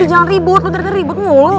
ya udah jangan ribut lo dari tadi ribut mulu